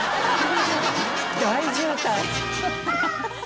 大渋滞。